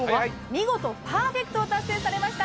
見事パーフェクトを達成されました